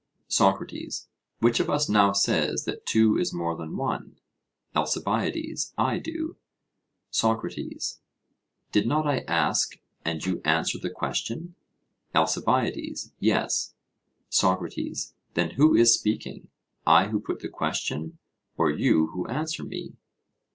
SOCRATES: Which of us now says that two is more than one? ALCIBIADES: I do. SOCRATES: Did not I ask, and you answer the question? ALCIBIADES: Yes. SOCRATES: Then who is speaking? I who put the question, or you who answer me?